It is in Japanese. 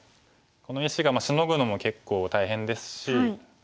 この石がシノぐのも結構大変ですし。